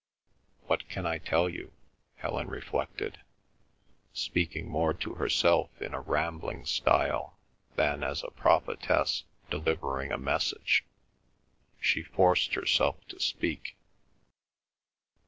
"What can I tell you?" Helen reflected, speaking more to herself in a rambling style than as a prophetess delivering a message. She forced herself to speak.